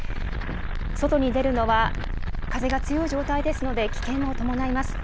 外に出るのは、風が強い状態ですので、危険を伴います。